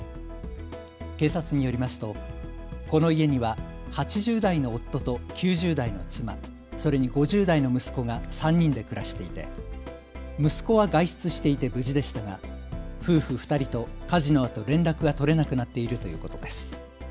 警察によりますとこの家には８０代の夫と９０代の妻、それに５０代の息子が３人で暮らしていて息子は外出していて無事でしたが夫婦２人と火事のあと連絡が取れなくなっているということです。